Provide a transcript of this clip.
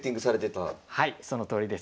はいそのとおりです。